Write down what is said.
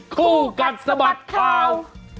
คู่กัดสมัติข่าว